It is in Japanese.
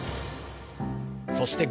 そして